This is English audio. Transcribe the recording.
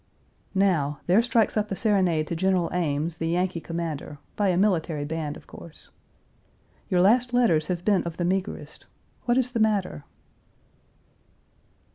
Now! there strikes up a serenade to General Ames, the Yankee commander, by a military band, of course. ... Your last letters have been of the meagerest. What is the matter?"